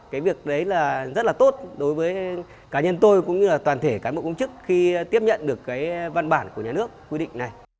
cái việc đấy là rất là tốt đối với cá nhân tôi cũng như là toàn thể cán bộ công chức khi tiếp nhận được cái văn bản của nhà nước quy định này